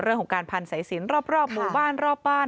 เรื่องของการพันสายสินรอบหมู่บ้านรอบบ้าน